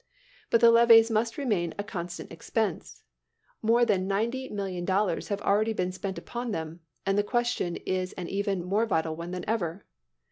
But the levees must remain a constant expense. More than $90,000,000 have already been spent upon them, and the question is an even more vital one than ever.